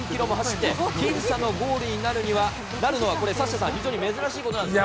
２４４キロも走って僅差のゴールになるのは、これ、サッシャさん、非常に珍しいことなんですよね。